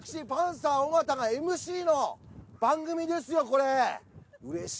パンサー尾形がＭＣの番組ですよこれ！